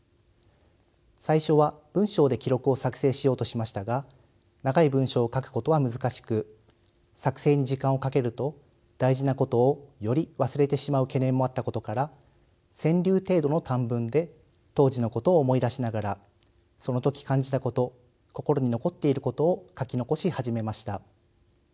最初は文章で記録を作成しようとしましたが長い文章を書くことは難しく作成に時間をかけると大事なことをより忘れてしまう懸念もあったことから川柳程度の短文で当時のことを思い出しながらその時感じたこと心に残っていることを書き残し始めました。